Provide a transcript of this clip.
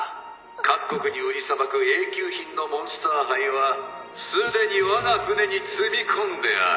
各国に売りさばくＡ級品のモンスター胚はすでにわが船に積み込んである。